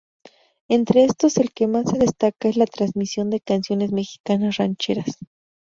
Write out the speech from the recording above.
Entre estos el que más se destaca es la transmisión de canciones mexicanas, rancheras.